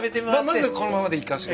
まずこのままでいかして。